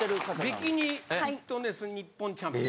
ビキニ・フィットネス日本チャンピオン。